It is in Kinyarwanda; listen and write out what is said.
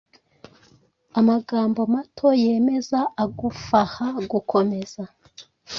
Amagambo mato yemeza agufaha gukomeza